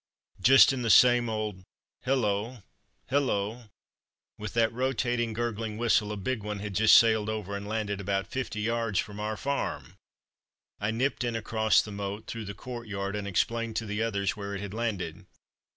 "Just in the same old hullo! hullo!" With that rotating, gurgling whistle a big one had just sailed over and landed about fifty yards from our farm! I nipped in across the moat, through the courtyard, and explained to the others where it had landed.